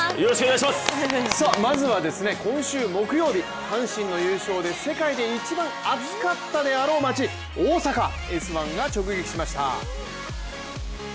まずはですね、今週木曜日阪神の優勝で世界で一番暑かったであろう街、大阪「Ｓ☆１」が直撃しました。